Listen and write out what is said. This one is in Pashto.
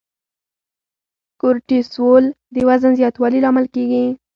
کورټیسول د وزن زیاتوالي لامل کېږي.